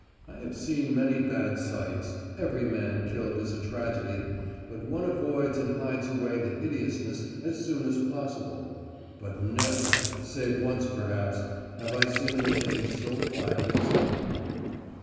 I have seen many bad sights every man killed is a tragedy but one avoids and hides away the hideousness as soon as possible. But never, save once perhaps, have I seen the thing so vile as now.